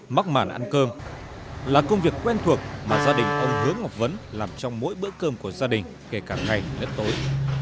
mắc màn ăn cơm là công việc quen thuộc mà gia đình ông hướng ngọc vấn làm trong mỗi bữa cơm của gia đình kể cả ngày lẫn tối